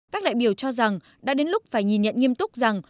các đại biểu cho rằng đã đến lúc phải nhìn nhận nghiêm túc rằng